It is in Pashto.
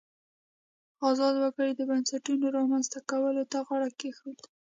ازاد وګړي د بنسټونو رامنځته کولو ته غاړه کېښوده.